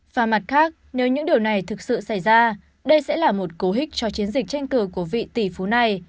và mặt khác nếu những điều này thực sự xảy ra đây sẽ là một cố hích cho chiến dịch tranh cử của vị tỷ phú này